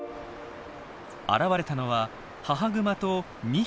現れたのは母グマと２匹の子ども。